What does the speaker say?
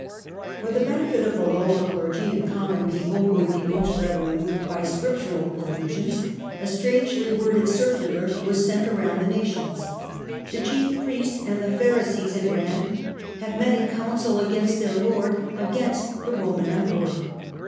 For the benefit of the lower clergy and common people, who would be most readily moved by scriptural allusions, a strangely worded circular was sent around the nations. " The Chief Priest and the Pharisees," it ran, " have met in Council against their Lord, against the Roman Emperor.